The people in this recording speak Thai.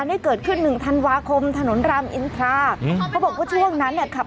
มันต้องกลับมาให้หน่อย